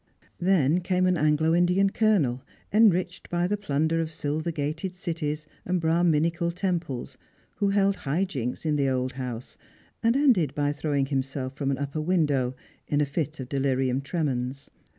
Then came an Anglo Indian colonel, enriched by the plunder of silver gated cities and Brahminical temples, who held high jinks in the old house, and ended by throwing himself from an upper window in a fit of delirium tremens.